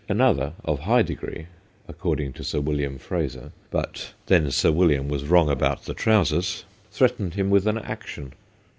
Another, of high degree, accord ing to Sir William Fraser but then Sir William was wrong about the trousers threatened him with an action.